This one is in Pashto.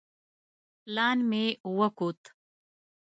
پلان مې وکوت.